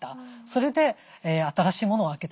それで新しいものを開けてしまった。